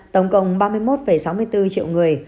tổng cộng ba mươi một sáu mươi bốn triệu người